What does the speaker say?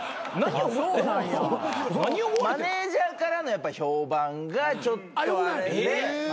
マネジャーからの評判がちょっとあれで。